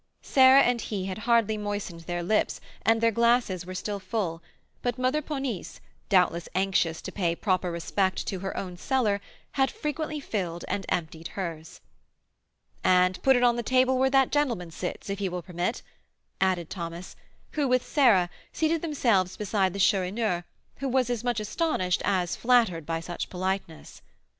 Sarah and he had hardly moistened their lips, and their glasses were still full; but Mother Ponisse, doubtless anxious to pay proper respect to her own cellar, had frequently filled and emptied hers. "And put it on the table where that gentleman sits, if he will permit," added Thomas, who, with Sarah, seated themselves beside the Chourineur, who was as much astonished as flattered by such politeness.